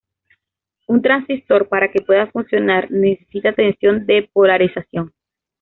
Un transistor, para que pueda funcionar, necesita tensión de polarización.